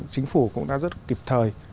chính phủ cũng đã rất kịp thời